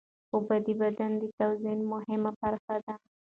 اوبه د بدن د توازن مهمه برخه ده.